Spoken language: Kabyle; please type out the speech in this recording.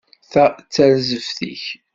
Ta d tarzeft-ik.